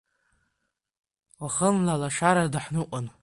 Уахынла лашарада ҳныҟәон.